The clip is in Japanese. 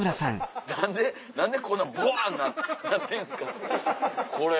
何で何でこんなブワンなってんですかこれ。